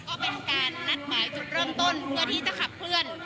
ก็เป็นการนัดหมายจุดเริ่มต้นเพื่อที่จะขับเคลื่อน